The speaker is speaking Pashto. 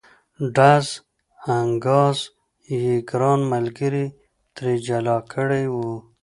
ډز انګاز یې ګران ملګري ترې جلا کړی و.